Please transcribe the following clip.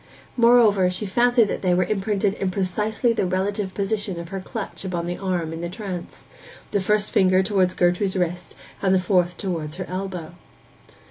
Moreover, she fancied that they were imprinted in precisely the relative position of her clutch upon the arm in the trance; the first finger towards Gertrude's wrist, and the fourth towards her elbow.